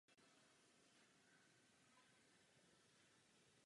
K nové kapele se připojil bubeník Christian Silver a kytarista Andreas Johansson.